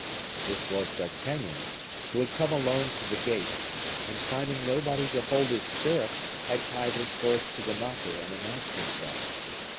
This was D'Artagnan, who had come alone to the gate, and finding nobody to hold his stirrup, had tied his horse to the knocker and announced himself.